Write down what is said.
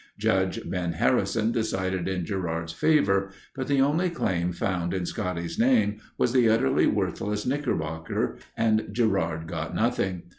Judge Ben Harrison decided in Gerard's favor, but the only claim found in Scotty's name was the utterly worthless Knickerbocker and Gerard got nothing.